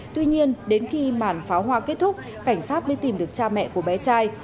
tuy nhiên đến khi màn pháo hoa kết thúc cảnh sát mới tìm được cha mẹ của bé trai